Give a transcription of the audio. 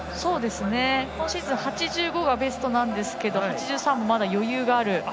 今シーズン８５がベストですが８３、まだ余裕がある。